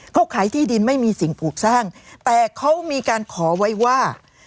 เขาขายที่ดินไม่มีสิ่งปลูกสร้างแต่เขามีการขอไว้ว่า